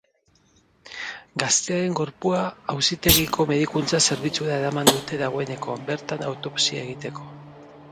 Gaztearen gorpua auzitegiko medikuntza zerbitzura eraman dute dagoeneko, bertan autopsia egiteko.